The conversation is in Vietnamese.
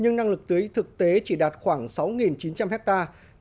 nhưng năng lực tưới thực tế chỉ đạt khoảng sáu chín trăm linh hectare